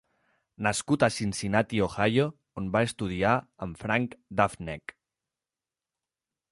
Nascut a Cincinnati, Ohio, on va estudiar amb Frank Duveneck.